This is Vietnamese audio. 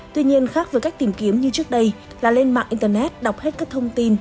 tuy nhiên khác với cách tìm kiếm như trước đây là lên mạng internet đọc hết các thông tin